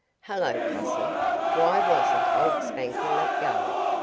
"Hullo! Possum, why wasn't old Spanker let go?